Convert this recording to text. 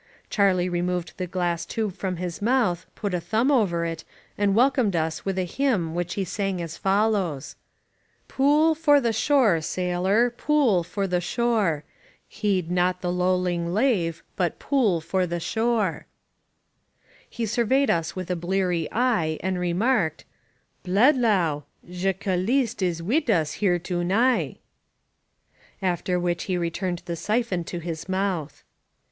Charlie removed the glass tube from his mouth, put a thumb over it, and welcomed us with a hymn which he sang as follows: Pooll for the shore, sail&Ty PooU for the shore! Heed not the lowling lave But pooll for the shore! 301 INSUKGENT MEXICO He surveyed us with a bleary eye, and remarked: Bledlau! Je' Calist is wid us here toni'P' After which he returned the syphon to his mouth.